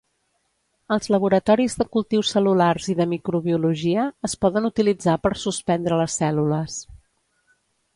Als laboratoris de cultius cel·lulars i de microbiologia es poden utilitzar per suspendre les cèl·lules.